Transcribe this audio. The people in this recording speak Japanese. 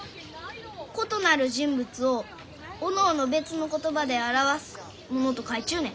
異なる人物をおのおの別の言葉で表すもの」と書いちゅうね。